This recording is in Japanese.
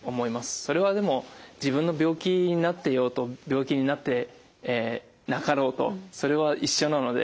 それはでも自分の病気になっていようと病気になってなかろうとそれは一緒なので。